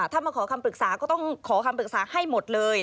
ถ้ามาขอคำปรึกษาก็ต้องขอคำปรึกษาให้หมดเลย